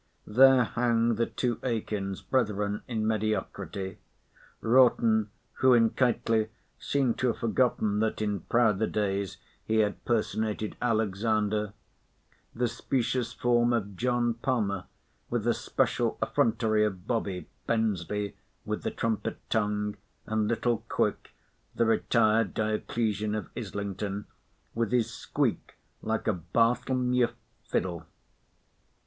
There hang the two Aickins, brethren in mediocrity—Wroughton, who in Kitely seemed to have forgotten that in prouder days he had personated Alexander—the specious form of John Palmer, with the special effrontery of Bobby—Bensley, with the trumpet tongue, and little Quick (the retired Dioclesian of Islington) with his squeak like a Bart'lemew fiddle.